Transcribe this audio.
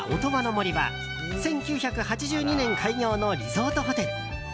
森は１９８２年開業のリゾートホテル。